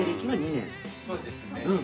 そうですね。